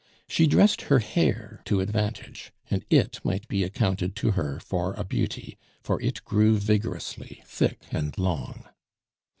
She dressed her hair to advantage, and it might be accounted to her for a beauty, for it grew vigorously, thick and long.